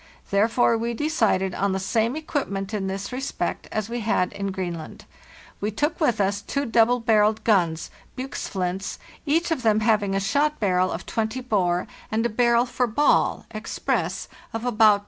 Therefore we decided on the same equipment in this respect as we had in Greenland. We took with us two double barrelled guns (bichsflints) ; each of them having a shot barrel of 20 bore and a barrel for ball (Express) of about